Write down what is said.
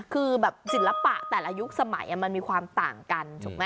คือแบบศิลปะแต่ละยุคสมัยมันมีความต่างกันถูกไหม